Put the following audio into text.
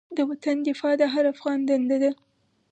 د وطن دفاع د هر افغان دنده ده.